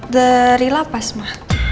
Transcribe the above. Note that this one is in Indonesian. dari lapas ma